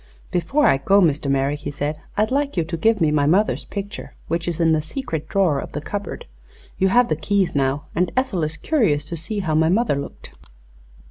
"Before I go, Mr. Merrick," he said, "I'd like you to give me my mother's picture, which is in the secret drawer of the cupboard. You have the keys, now, and Ethel is curious to see how my mother looked."